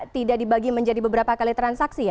tidak dibagi menjadi beberapa kali transaksi ya